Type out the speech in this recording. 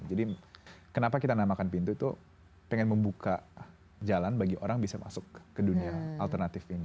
jadi kenapa kita namakan pintu itu pengen membuka jalan bagi orang bisa masuk ke dunia alternatif ini